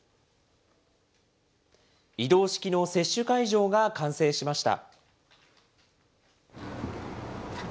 移動式の接種会場が完成しました。